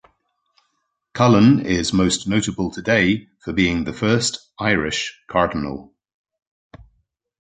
Cullen is most notable today for being the first Irish cardinal.